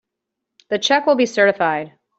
The check will be certified.